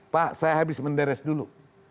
pak saya habis menderes dulu